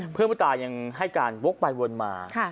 เพื่อนผู้ตายยังให้การวกใบวนมา